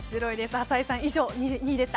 浅井さん、以上２位でした。